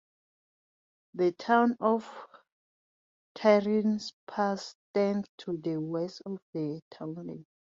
The town of Tyrrellspass stands to the west of the townland.